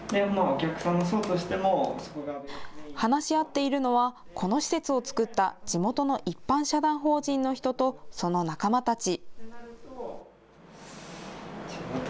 話し合っているのはこの施設を作った地元の一般社団法人の人とその仲間たち。